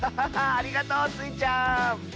ありがとうスイちゃん！